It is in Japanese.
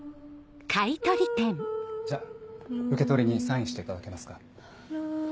じゃあ受け取りにサインしていただけますか。